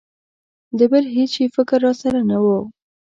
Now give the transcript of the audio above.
د بل هېڅ شي فکر را سره نه و.